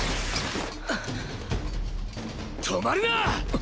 止まるな！！